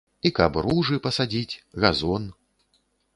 І каб ружы пасадзіць, газон.